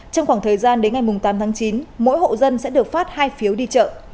trong khoảng thời gian đến ngày tám tháng chín mỗi hộ dân sẽ được phát hai phiếu đi chợ